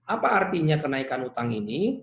apa artinya kenaikan utang ini